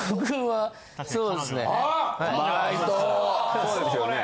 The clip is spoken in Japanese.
そうですね。